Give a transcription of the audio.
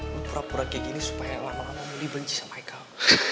lu pura pura kayak gini supaya lama lama umli benci sama haikal